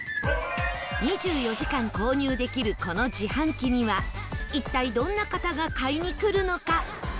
２４時間購入できるこの自販機には一体どんな方が買いに来るのか？